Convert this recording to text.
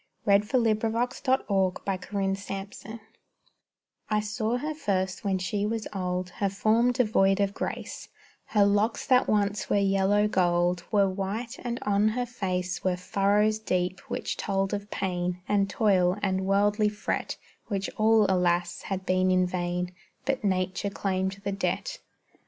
SHE DEARLY LOVED THE FLOWERS I saw her first when she was old, Her form devoid of grace; Her locks that once were yellow gold Were white, and on her face Were furrows deep, which told of pain, And toil, and worldly fret, Which all, alas, had been in vain, But nature claimed the debt.